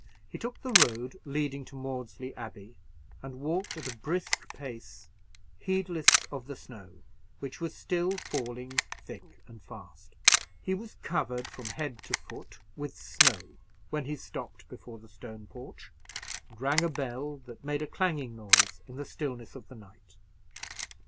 He took the road leading to Maudesley Abbey, and walked at a brisk pace, heedless of the snow, which was still falling thick and fast. He was covered from head to foot with snow when he stopped before the stone porch, and rang a bell, that made a clanging noise in the stillness of the night.